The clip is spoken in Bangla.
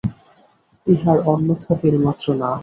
ইহার অন্যথা তিলমাত্র না হয়।